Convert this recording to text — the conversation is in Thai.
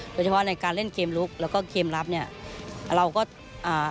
โดยเฉพาะในการเล่นเกมลุกแล้วก็เกมรับเนี้ยเราก็อ่า